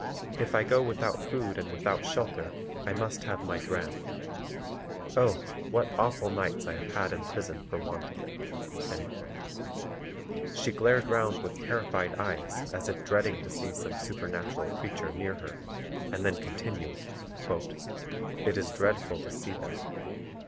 If I go without food and without shelter, I must have my dram. Oh! what awful nights I have had in prison for want of it." She glared round with terrified eyes as if dreading to see some supernatural creature near her, and then continued: "It is dreadful to see them.